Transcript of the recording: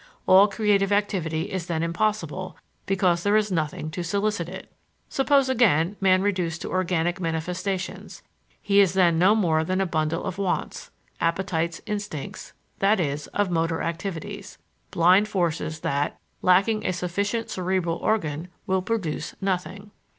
All creative activity is then impossible, because there is nothing to solicit it. Suppose, again, man reduced to organic manifestations; he is then no more than a bundle of wants, appetites, instincts, that is, of motor activities, blind forces that, lacking a sufficient cerebral organ, will produce nothing.